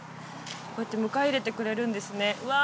こうやって迎え入れてくれるんですねうわ